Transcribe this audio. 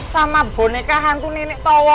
sama boneka hantu nenek towo